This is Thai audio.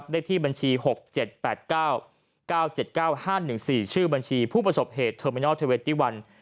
เลขที่บัญชี๖๗๘๙๙๗๙๕๑๔ชื่อบัญชีผู้ประสบเหตุเทอร์มินอลเทอร์เวตตี้วัน